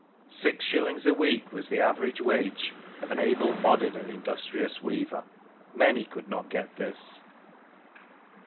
" Six shillings a week was the average wage . of an able bodied and industrious weaver. Many co^d not get this."